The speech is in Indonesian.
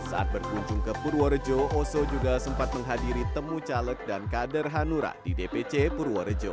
saat berkunjung ke purworejo oso juga sempat menghadiri temu caleg dan kader hanura di dpc purworejo